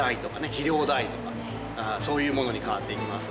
肥料代とかそういうものに替わっていきます。